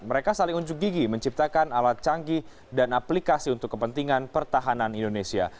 mereka saling unjuk gigi menciptakan alat canggih dan aplikasi untuk kepentingan pertahanan indonesia